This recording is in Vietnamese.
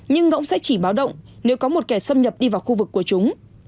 nhưng ngỗng sẽ chỉ báo động nếu có một kẻ xâm nhập đi vào khu vực của chúng